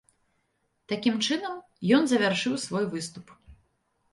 Такім чынам, ён завяршыў свой выступ.